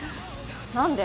何で？